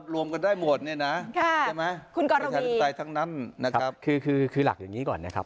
คุณกรมีคือหลักอย่างนี้ก่อนนะครับ